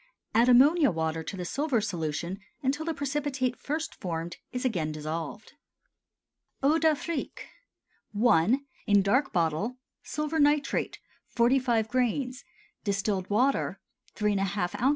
Add ammonia water to the silver solution until the precipitate first formed is again dissolved. EAU D'AFRIQUE. I. (In Dark Bottle.) Silver nitrate 45 grains. Distilled water 3½ oz.